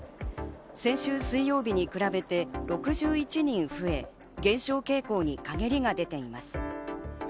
先週、水曜日に比べて６１人増え、減少傾向に陰りが出ています。